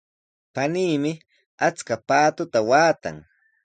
Paniimi achka paatuta waatan.